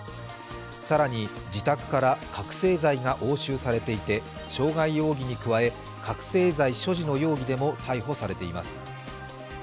更に自宅から覚醒剤が押収されていて傷害容疑に加え覚醒剤所持の容疑でも逮捕されています。